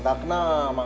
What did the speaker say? iya udah mang